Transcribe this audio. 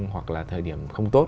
hoặc là thời điểm không tốt